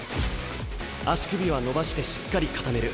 足首は伸ばしてしっかり固める。